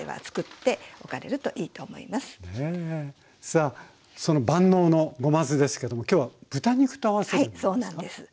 さあその万能のごま酢ですけども今日は豚肉と合わせるんですか？